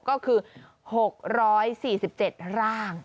ก็คือ๖๔๗ร่าง